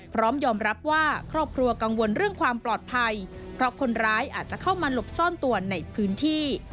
พร้อมยอมรับว่าครอบครัวกังวลเรื่องความปลอดภัยเพราะคนร้ายอาจจะเข้ามาหลบซ่อนตัวในพื้นที่